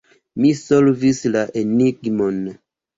Mi solvis la enigmon.